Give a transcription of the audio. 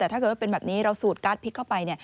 แต่ถ้าเกิดว่าเป็นแบบนี้เราสูดการ์ดพริกเข้าไป